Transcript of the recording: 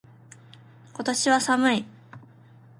今年は寒い。